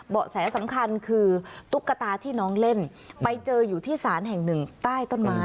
แสสำคัญคือตุ๊กตาที่น้องเล่นไปเจออยู่ที่ศาลแห่งหนึ่งใต้ต้นไม้